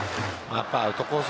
やっぱりアウトコース